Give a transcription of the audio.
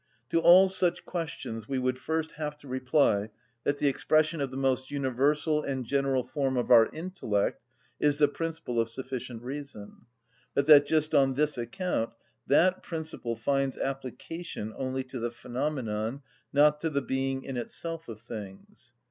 To all such questions we would first have to reply that the expression of the most universal and general form of our intellect is the principle of sufficient reason; but that just on this account that principle finds application only to the phenomenon, not to the being in itself of things.